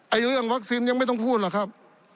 เรื่องวัคซีนยังไม่ต้องพูดหรอกครับ